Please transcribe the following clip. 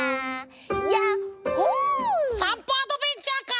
「さんぽアドベンチャー」か！